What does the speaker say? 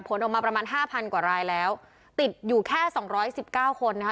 ผลออกมาประมาณ๕๐๐๐กว่ารายแล้วติดอยู่แค่๒๑๙คนนะคะ